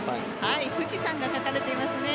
富士山が描かれていますね。